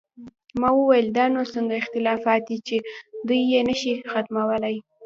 ما وویل: دا نو څنګه اختلافات دي چې دوی یې نه شي ختمولی؟